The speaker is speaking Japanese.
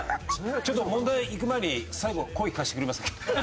ちょっと問題いく前に最後声聞かせてくれます？